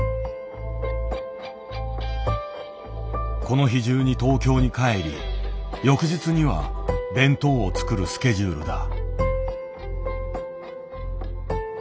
この日じゅうに東京に帰り翌日には弁当を作るスケジュールだ。